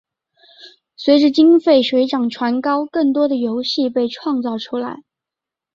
随着经费水涨船高更多的游戏被创造出来。